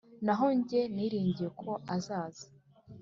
Naho jye niringiye ko azaza